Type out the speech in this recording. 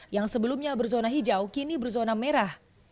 yang sebelumnya berzona hijau kini berzona merah